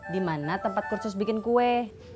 dimana tempat kursus bikin kue